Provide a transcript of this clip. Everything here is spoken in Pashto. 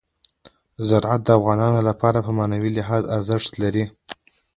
زراعت د افغانانو لپاره په معنوي لحاظ ارزښت لري.